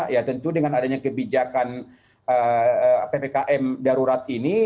ya tentu dengan adanya kebijakan ppkm darurat ini